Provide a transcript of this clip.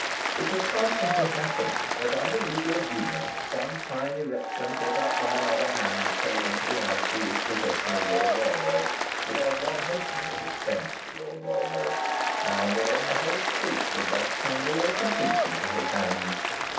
It was constantly happening that under legal agreements some fine erection put up by another hand came into the absolute possession of Lord Waldo without one halfpenny of expense to Lord Woldo. Now and then a whole street would thus tumble all complete into his hands.